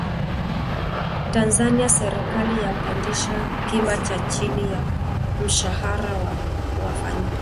Tanzania Serikali yapandisha kima cha chini cha mshahara wa wafanyakazi wake